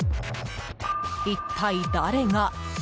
一体、誰が？